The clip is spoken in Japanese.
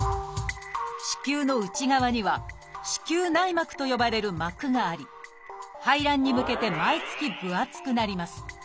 子宮の内側には「子宮内膜」と呼ばれる膜があり排卵に向けて毎月分厚くなります。